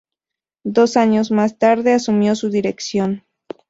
Dos años más tarde asumió su dirección.